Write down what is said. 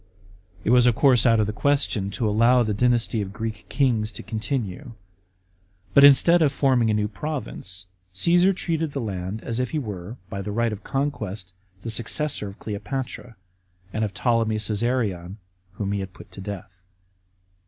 It was of course out of the question to allow the dynasty of Greek kings to continue. But instead of forming a new province, Caesar treated the land as if he were, by the right of conquest, the successor of Cleopatra, and of Ptolemy Csesarion, whom he had put to death.